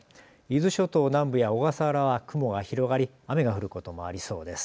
伊豆諸島南部や小笠原は雲が広がり雨が降ることもありそうです。